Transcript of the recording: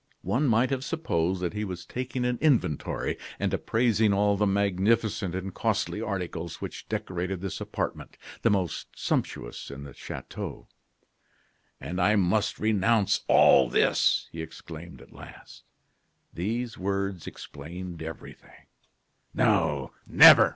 One might have supposed that he was taking an inventory, and appraising all the magnificent and costly articles which decorated this apartment, the most sumptuous in the chateau. "And I must renounce all this!" he exclaimed, at last. These words explained everything. "No, never!"